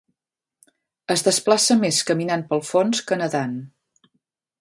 Es desplaça més caminant pel fons que nedant.